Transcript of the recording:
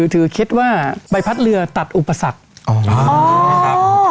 ถือเคล็ดว่าใบพัดเรือตัดอุปสรรค